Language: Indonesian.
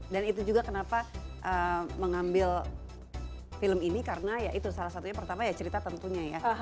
dan itu juga kenapa mengambil film ini karena ya itu salah satunya pertama ya cerita tentunya ya